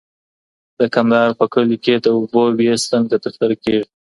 د کندهار په کلیو کي د اوبو وېش څنګه ترسره کيږي؟